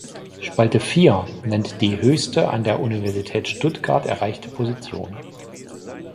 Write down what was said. Spalte vier nennt die höchste an der Universität Stuttgart erreichte Position.